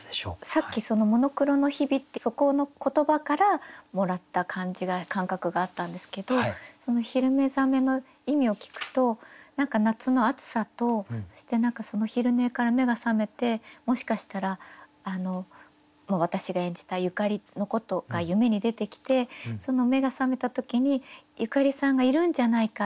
さっき「モノクロの日々」ってそこの言葉からもらった感じが感覚があったんですけどその「昼寝覚」の意味を聞くと何か夏の暑さとそしてその昼寝から目が覚めてもしかしたら私が演じたゆかりのことが夢に出てきて目が覚めた時にゆかりさんがいるんじゃないか。